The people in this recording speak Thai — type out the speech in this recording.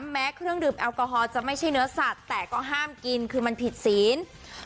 แม้เครื่องดื่มแอลกอฮอลจะไม่ใช่เนื้อสัตว์แต่ก็ห้ามกินคือมันผิดศีล